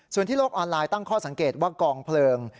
ส่วนที่โลกออนไลน์ตั้งข้อสังเกตว่ากองเพลิง